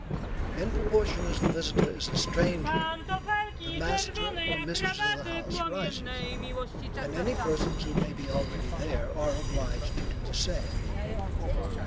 In proportion as the visitor is a stranger, the master or mistress of the house rises, and any persons who may be already there are obliged to do the same.